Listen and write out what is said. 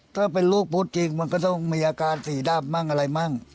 ถ้าเป็นลูกพูดจริงมันก็ต้องมีอาการสีดำมั่งอะไรมั่ง